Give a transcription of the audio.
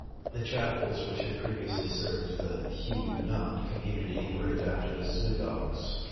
The chapels, which had previously served the Huguenot community, were adapted as synagogues.